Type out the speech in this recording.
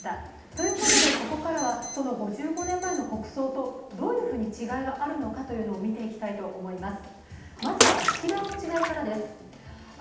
ということでここからは５５年前の国葬とどういうふうに違いがあるのかというのを見ていきたいと思います。